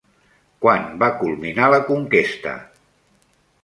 Quan va culminar la conquesta?